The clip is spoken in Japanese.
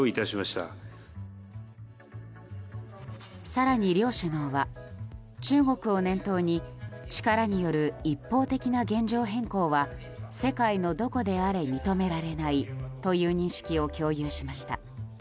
更に両首脳は中国を念頭に力による一方的な現状変更は世界のどこであれ認められないという認識を共有しました。